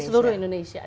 di seluruh indonesia